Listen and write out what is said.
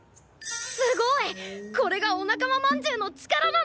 すごい！これがお仲間まんじゅうの力なんだ！